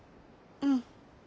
うん。